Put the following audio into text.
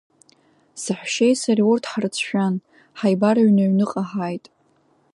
Саҳәшьеи сареи урҭ ҳрыцәшәан, ҳаибарыҩны аҩныҟа ҳааит.